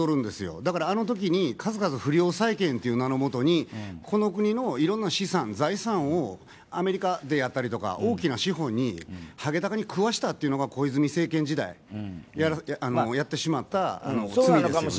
だから、あのときに不良債権という名のもとにこの国のいろんな資産、財産をアメリカであったりとか大きな資本にハゲタカに食わせたというのが、小泉政権でやった罪ですよね。